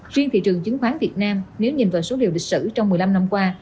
riêng thị trường chứng khoán việt nam nếu nhìn vào số liệu lịch sử trong một mươi năm năm qua